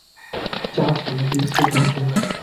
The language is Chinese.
加强都市更新